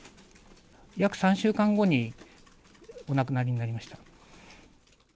約３週間後にお亡くなりになりました。